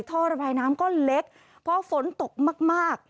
ท่อระบายน้ำก็เล็กพอฝนตกมาก